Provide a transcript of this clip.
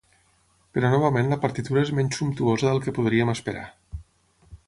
Però novament la partitura és menys sumptuosa del que podríem esperar.